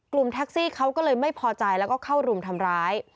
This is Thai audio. แท็กซี่เขาก็เลยไม่พอใจแล้วก็เข้ารุมทำร้าย